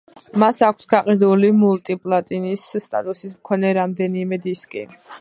მას აქვს გაყიდული მულტი-პლატინის სტატუსის მქონე რამდენიმე დისკი.